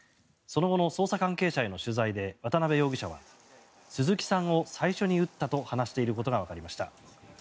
その後の捜査関係者への取材で渡辺容疑者は鈴木さんを最初に撃ったと話していることがわかりました。